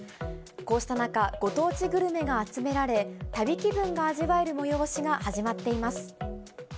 こうした中、ご当地グルメが集められ、旅気分が味わえる催しが始まっています。